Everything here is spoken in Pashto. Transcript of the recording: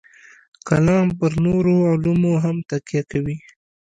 کلام پر نورو علومو هم تکیه کوي.